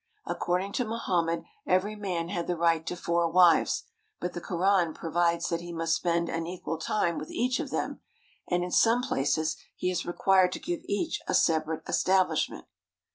According to Mohammed every man had the right to four wives, but the Koran provides that he must spend an equal time with each of them, and in some places he is required to give each a separate establishment.